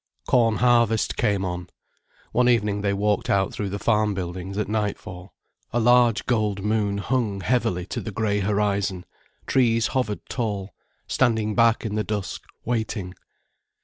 Corn harvest came on. One evening they walked out through the farm buildings at nightfall. A large gold moon hung heavily to the grey horizon, trees hovered tall, standing back in the dusk, waiting.